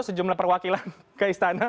sejumlah perwakilan ke istana